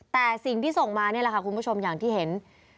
แต่สิ่งที่ส่งมานี่แหละค่ะคุณผู้ชมอย่างที่เห็น